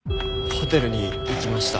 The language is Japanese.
ホテルに行きました。